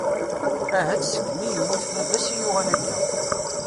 Ahat segmi i yemmut baba-s i yuɣal akka.